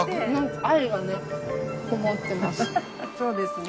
そうですね。